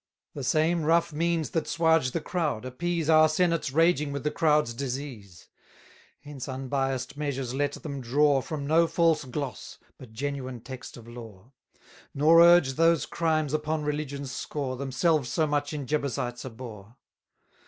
780 The same rough means that 'suage the crowd, appease Our senates raging with the crowd's disease. Henceforth unbiass'd measures let them draw From no false gloss, but genuine text of law; Nor urge those crimes upon religion's score, Themselves so much in Jebusites abhor.